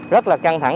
rất là căng thẳng